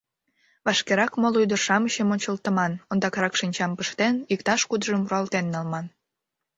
Вашкерак моло ӱдыр-шамычым ончылтыман, ондакрак шинчам пыштен, иктаж-кудыжым руалтен налман.